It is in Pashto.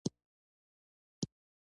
په افغانستان کې طلا ډېر اهمیت لري.